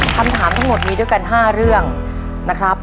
คำถามทั้งหมดมีด้วยกัน๕เรื่องนะครับ